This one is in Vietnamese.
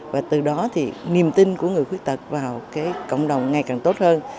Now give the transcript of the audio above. và từ đó thì niềm tin của người khuyết tật vào cái cộng đồng ngày càng tốt hơn